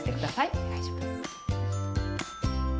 お願いします。